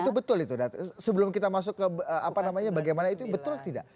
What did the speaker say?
itu betul itu sebelum kita masuk ke apa namanya bagaimana itu betul tidak